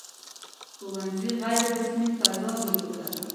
• ښوونځي غیر رسمي فضا درلوده.